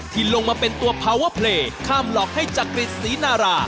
ที่ลงมาเป็นตัวพาวเวอร์เพลย์ข้ามหลอกให้จักรีดศรีนารา